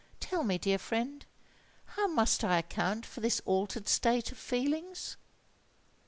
Tell me, dear friend—how must I account for this altered state of feelings?"